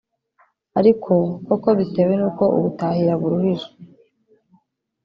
ariko koko bitewe n’uko ubutahira buruhije